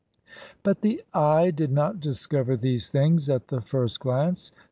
But the eye did not discover these things at the first glance.